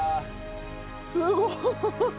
すごい。